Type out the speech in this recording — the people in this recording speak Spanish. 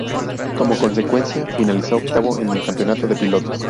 Como consecuencia, finalizó octavo en el campeonato de pilotos.